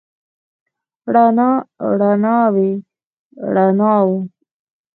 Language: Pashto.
رڼا، رڼاوې، رڼاوو